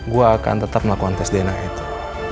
gue akan tetap melakukan tes dna itu